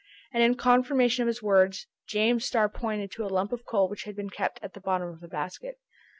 And in confirmation of his words, James Starr pointed to a lump of coal which had been kept at the bottom of a basket.